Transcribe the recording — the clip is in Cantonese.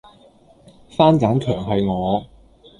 番梘強係我